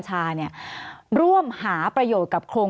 สวัสดีครับทุกคน